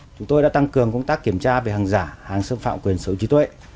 chúng tôi đã tăng cường công tác kiểm tra về hàng giả hàng xâm phạm quyền số trí tuệ